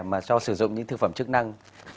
mà cho sử dụng những thư phẩm chức năng